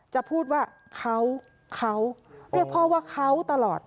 จะพูดว่าเขาเรียกพ่อว่าเขาตลอด